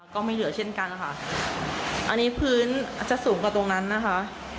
ก็ไม่เหลือเช่นกันนะคะอันนี้พื้นอาจจะสูงกว่าตรงนั้นนะคะ